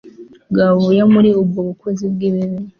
bwavuye muri ubwo bukozi bwibibi